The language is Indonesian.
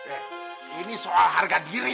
eh ini soal harga diri